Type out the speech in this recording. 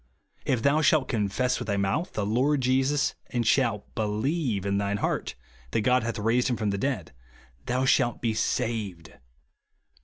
"If thou shalt confess with thy mouth the Lord Jesus, and shalt believe in thine heart that God hath raised him from the dead, thou shalt be saved," (Rom.